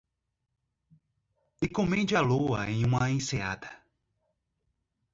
Encomende a lua em uma enseada.